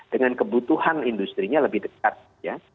dengan kebutuhan industri nya lebih dekat ya